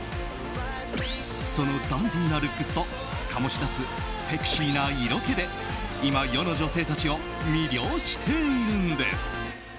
そのダンディーなルックスと醸し出すセクシーな色気で今、世の女性たちを魅了しているんです。